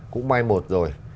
cũng may một rồi